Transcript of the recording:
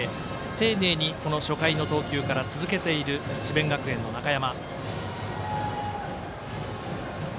丁寧に初回の投球から続けている智弁学園の中山。